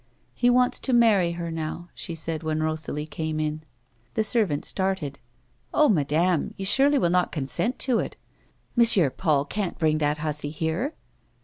" He wants to marry her now," she said, when Rosalie came in. The servant started. " Oh ! madame, you surely will not consent to it. M. Paul can't bring that hussy here."